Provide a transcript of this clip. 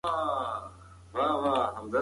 باید د ټولنیزو مشکلاتو مخنیوی وسي.